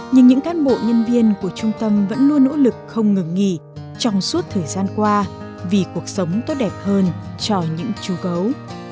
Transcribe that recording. nhưng những cán bộ nhân viên của trung tâm vẫn luôn nỗ lực không ngừng nghỉ trong suốt thời gian qua vì cuộc sống tốt đẹp hơn cho những chú gấu